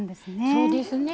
そうですね。